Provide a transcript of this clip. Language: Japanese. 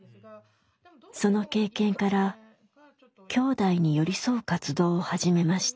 その経験からきょうだいに寄り添う活動を始めました。